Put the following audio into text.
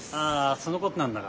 そのことなんだが。